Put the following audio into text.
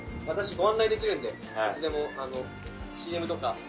私ご案内できるんでいつでもＣＭとか。